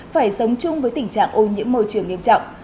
phải sống chung với tình trạng ô nhiễm môi trường nghiêm trọng